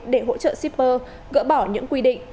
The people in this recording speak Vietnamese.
để hỗ trợ shipper gỡ bỏ những quy định